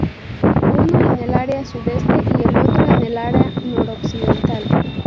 Uno en el área sudeste y el otro en el área noroccidental.